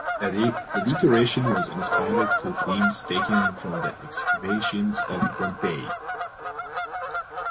The decoration was inspired to themes taken from the excavations of Pompeii.